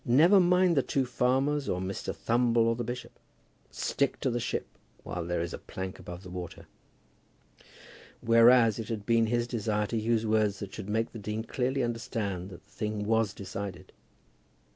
Never mind the two farmers, or Mr. Thumble, or the bishop. Stick to the ship while there is a plank above the water." Whereas it had been his desire to use words that should make the dean clearly understand that the thing was decided.